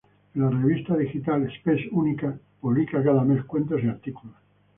En la revista digital Spes Unica publica cada mes cuentos y artículos.